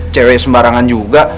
cewek sembarangan juga